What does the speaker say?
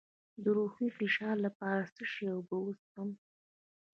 د روحي فشار لپاره د څه شي اوبه وڅښم؟